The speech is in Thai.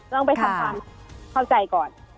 ต้องไปทำความเข้าใจก่อน